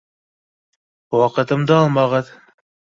— Ваҡытымды алмағыҙ.